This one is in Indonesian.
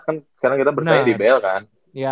kan sekarang kita bersaing di bel kan